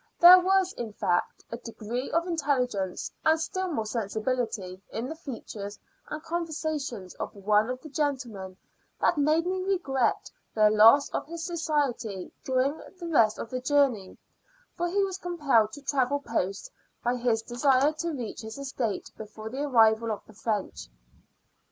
There was, in fact, a degree of intelligence, and still more sensibility, in the features and conversation of one of the gentlemen, that made me regret the loss of his society during the rest of the journey; for he was compelled to travel post, by his desire to reach his estate before the arrival of the French.